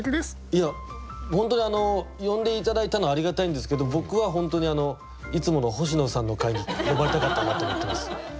いや本当にあの呼んで頂いたのはありがたいんですけど僕は本当にあのいつもの星野さんの回に呼ばれたかったなと思ってます。